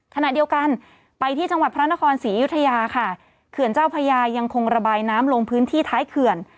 ขณะเดียวกันไปที่จังหวัดพระนครศรีอยุธยาค่ะเขื่อนเจ้าพญายังคงระบายน้ำลงพื้นที่ท้ายเขื่อน